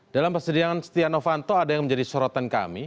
dalam persidangan setia novanto ada yang menjadi sorotan kami